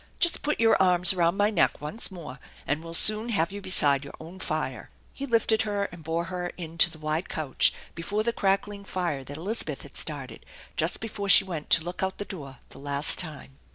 " Just put your arms around my neck once more, and we'll soon have you beside your own fire." He lifted her and 6ore her in to the wide couch before the crackling fire that Elizabeth had started just before she went to look out the door the last time.